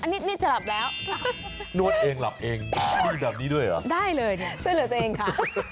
นี่จะหลับแล้วนวดเองหลับเองมีแบบนี้ด้วยเหรอได้เลยช่วยเหลือเจ้าเองค่ะ